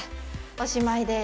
おしまいです